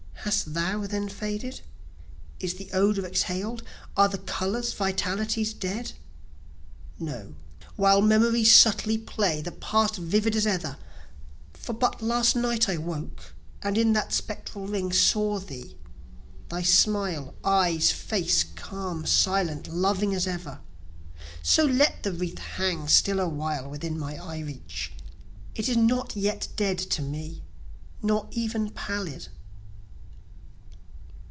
Hast thou then faded? Is the odor exhaled? Are the colors, vitalities, dead? No, while memories subtly play the past vivid as ever; For but last night I woke, and in that spectral ring saw thee, Thy smile, eyes, face, calm, silent, loving as ever: So let the wreath hang still awhile within my eye reach, It is not yet dead to me, nor even pallid.